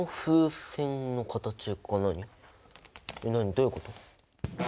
どういうこと？